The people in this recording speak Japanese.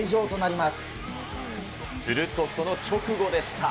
するとその直後でした。